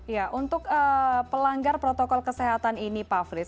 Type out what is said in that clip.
ya untuk pelanggar protokol kesehatan ini pak frits